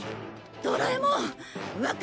ドラえもん！